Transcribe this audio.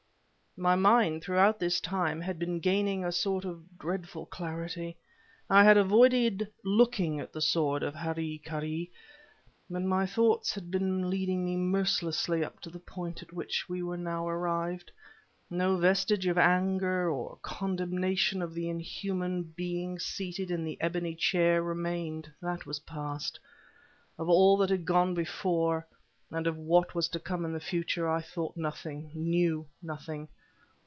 My mind throughout this time had been gaining a sort of dreadful clarity. I had avoided looking at the sword of hara kiri, but my thoughts had been leading me mercilessly up to the point at which we were now arrived. No vestige of anger, of condemnation of the inhuman being seated in the ebony chair, remained; that was past. Of all that had gone before, and of what was to come in the future, I thought nothing, knew nothing.